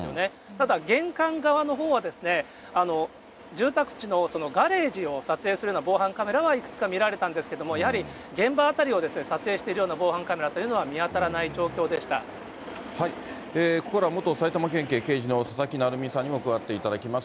ただ、玄関側のほうは、住宅地のガレージを撮影するような防犯カメラはいくつか見られたんですけども、やはり現場辺りを撮影しているような防犯カメラというのは見当たここからは、元埼玉県警刑事の佐々木成三さんにも加わっていただきます。